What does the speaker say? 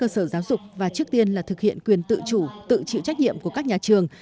sở giáo dục và trước tiên là thực hiện quyền tự chủ tự chịu trách nhiệm của các nhà trường